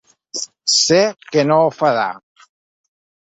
Sé que no ho farà.